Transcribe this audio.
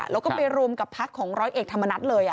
แล้วก็ไปรวมกับพักของร้อยเอกธรรมนัฐเลย